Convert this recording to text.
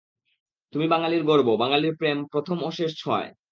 তুমি বাঙ্গালীর গর্ব, বাঙ্গালীর প্রেম প্রথম ও শেষ ছোঁয়ায়।